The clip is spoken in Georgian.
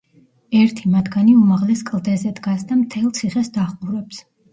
ერთი მათგანი უმაღლეს კლდეზე დგას და მთელ ციხეს დაჰყურებს.